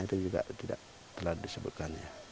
tidak tidak tidak telah disebutkannya